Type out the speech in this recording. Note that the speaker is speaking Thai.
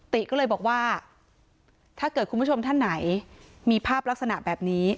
ติก็เลยบอกว่าถ้าเกิดคุณผู้ชมท่านไหนมีภาพลักษณะแบบนี้